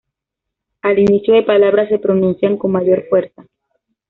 Al inicio de palabra se pronuncian con mayor fuerza.